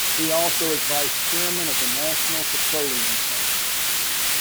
He also is vice chairman of the National Petroleum Council.